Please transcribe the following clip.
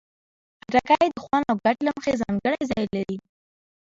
خټکی د خوند او ګټې له مخې ځانګړی ځای لري.